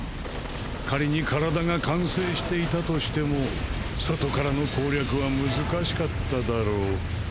仮に体が完成していたとしても外からの攻略は難しかっただろう。